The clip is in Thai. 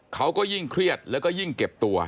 เขาก็ยิ่งเครียดแล้วก็ยิ่งเก็บตัว